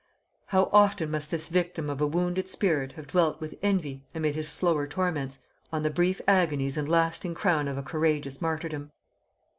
How often must this victim of a wounded spirit have dwelt with envy, amid his slower torments, on the brief agonies and lasting crown of a courageous martyrdom!